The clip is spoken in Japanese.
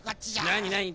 なになに？